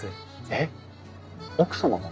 えっ奥様が？